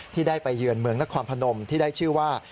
ที่ได้ไปเยือนเมืองนครพนมที่ได้ชื่อว่า